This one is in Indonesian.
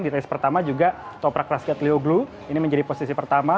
di race pertama juga toprak rasket leo glue ini menjadi posisi pertama